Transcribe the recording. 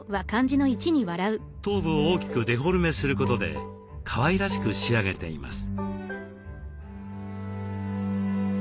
頭部を大きくデフォルメすることでかわいらしく仕上げています。